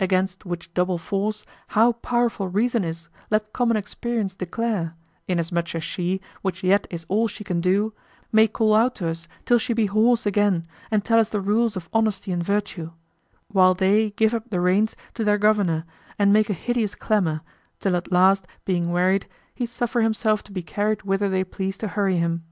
Against which double force how powerful reason is let common experience declare, inasmuch as she, which yet is all she can do, may call out to us till she be hoarse again and tell us the rules of honesty and virtue; while they give up the reins to their governor and make a hideous clamor, till at last being wearied, he suffer himself to be carried whither they please to hurry him.